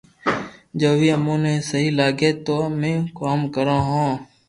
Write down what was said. جوي امو نو سھيي لاگي تو امو ڪوم ڪرو ھون